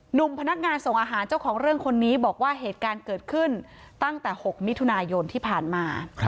หนุ่มพนักงานส่งอาหารเจ้าของเรื่องคนนี้บอกว่าเหตุการณ์เกิดขึ้นตั้งแต่๖มิถุนายนที่ผ่านมา